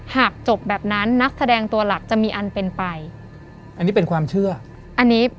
หากจบแบบนั้นนักแสดงตัวหลักจะมีอันเป็นไปอันนี้เป็นความเชื่ออันนี้